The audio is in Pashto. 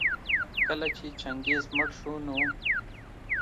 کله چي چنګېز مړ شو نو